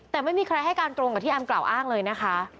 แต่ไม่มีใครให้การตรงกับที่แอมกล่าวอ้างเลยนะคะ